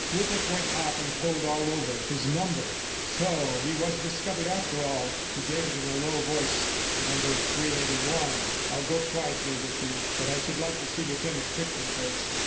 Rupert went hot and cold all over. His number! So he was discovered, after all. He gave it in a low voice. "No. 381. I'll go quietly with you, but I should like to see Lieutenant Crichton first."